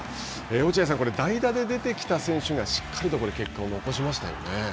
落合さん、代打で出てきて選手がしっかりと結果を残しましたよね。